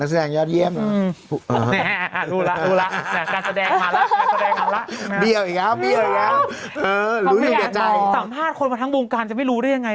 สัมภาษณ์คนมาทั้งวงการจะไม่รู้ได้ยังไง